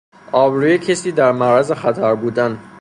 آبروی کسی در معرض خطر بودن